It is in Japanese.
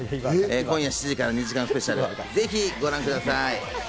今夜７時から２時間スペシャル、ぜひご覧ください。